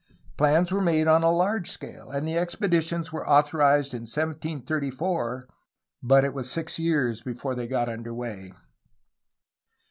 Plans were made on a large scale, and the expeditions were authorized in 1734, but it was six years before they got under way.